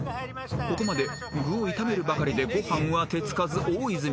［ここまで具を炒めるばかりでご飯は手付かず大泉さん］